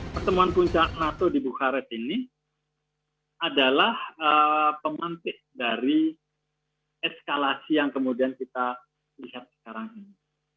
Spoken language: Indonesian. pertemuan puncak nato di bukaret ini adalah pemantik dari eskalasi yang kemudian kita lihat sekarang ini